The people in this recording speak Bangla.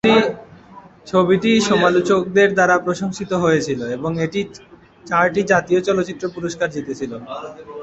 ছবিটি সমালোচকদের দ্বারা প্রশংসিত হয়েছিল এবং এটি চারটি জাতীয় চলচ্চিত্র পুরস্কার জিতেছিল।